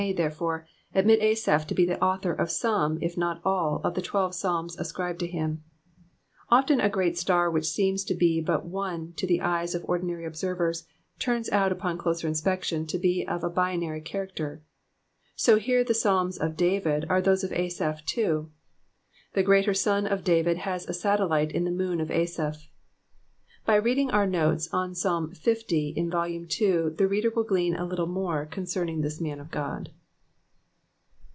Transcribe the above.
ther^'ore, admit Asaph to be the aullior of some, if not aM, of the twelve PsaJms ascribed to hirn. Often a great star whicli seems to be but on£ to the eyes of ordinary observers, turns out upon closer inspection to be of a binary cfiaracter ; so here the Psalms of David are those of Asaph, too. The great sun of David has a saielliie in the nuwn of Asaph. By reading our notts on Psalm Ffty, in Vol. 11.^ the reader will glean a little more concerning this man of God.